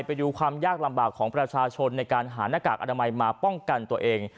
ไปดูความยากลำบากของประชาชนในการหาหน้ากากอนามัยมาป้องกันตัวเอง